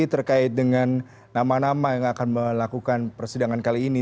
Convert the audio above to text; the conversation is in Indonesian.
terkait dengan nama nama yang akan melakukan persidangan kali ini